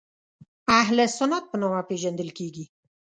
اهل سنت په نامه پېژندل کېږي.